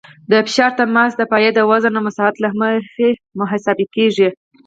د فشار تماس د پایې د وزن او مساحت له مخې محاسبه کیږي